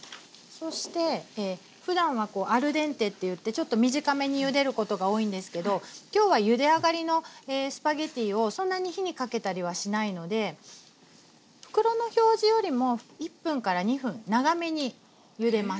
そしてふだんはアルデンテっていってちょっと短めにゆでることが多いんですけど今日はゆであがりのスパゲッティをそんなに火にかけたりはしないので袋の表示よりも１分から２分長めにゆでます。